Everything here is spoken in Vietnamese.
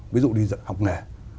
ví dụ đi học nghề